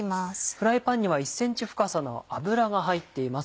フライパンには１ｃｍ深さの油が入っています。